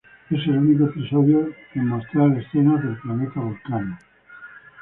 Es el único episodio de en mostrar escenas del planeta Vulcano.